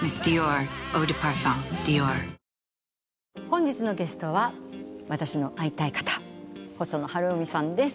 本日のゲストは私の会いたい方細野晴臣さんです。